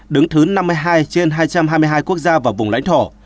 đứng thứ năm mươi hai trên hai trăm hai mươi hai quốc gia và vùng lãnh thổ